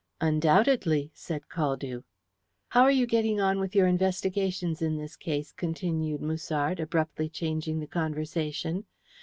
"Undoubtedly," said Caldew. "How are you getting on with your investigations in this case?" continued Musard, abruptly changing the conversation.